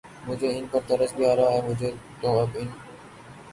مجھے ان پر ترس بھی آ رہا ہے، مجھے تو اب ان